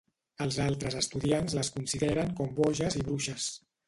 Els altres estudiants les consideren com boges i bruixes.